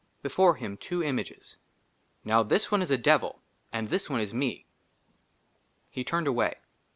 BEFORE HIM, TWO IMAGES : "NOW THIS ONE IS A DEVIL, " AND THIS ONE IS ME." HE TURNED AWAY.